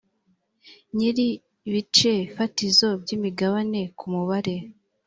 nyir ibice fatizo by imigabane ku mubare